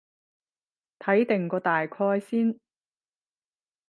睇定個大概先